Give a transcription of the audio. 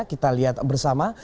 kita lihat bersama